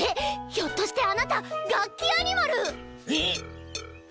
ひょっとしてあなたガッキアニマル⁉えっ！